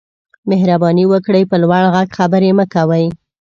مهرباني وکړئ په لوړ غږ خبرې مه کوئ